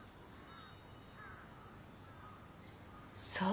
そう。